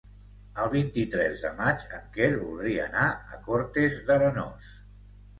El vint-i-tres de maig en Quer voldria anar a Cortes d'Arenós.